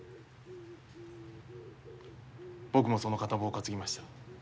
僕もその片棒を担ぎました。